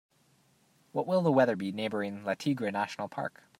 What will the weather be neighboring La Tigra National Park?